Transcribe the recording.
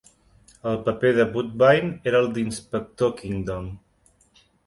El paper de Woodvine era el d'inspector Kingdom.